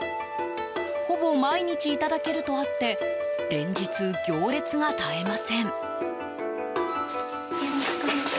ほぼ毎日いただけるとあって連日、行列が絶えません。